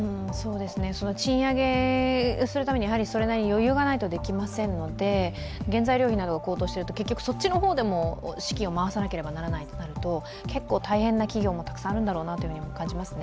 賃上げするためには余裕がないとできませんので原材料費などが高騰しているとそっちの方にも資金を回さないといけないとなると結構大変な企業もたくさんあるんだろうなと思いますね。